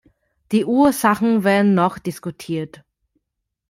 Die Ursachen werden noch diskutiert.